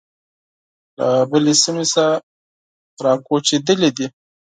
له بلې سیمې څخه را کوچېدلي دي.